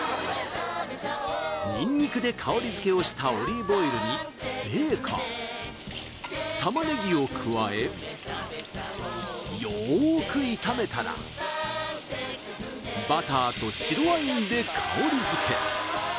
ニンニクで香り付けをしたオリーブオイルにベーコン玉ねぎを加えよく炒めたらバターと白ワインで香り付け